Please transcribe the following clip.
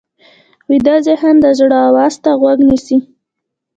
ویده ذهن د زړه آواز ته غوږ نیسي